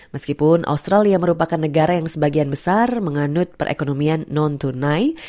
meskipun australia merupakan negara yang sebagian besar menganut perekonomian non tunai